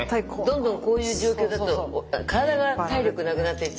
どんどんこういう状況だと体が体力なくなっていっちゃうから。